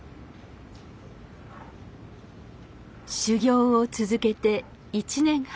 修業を続けて１年半。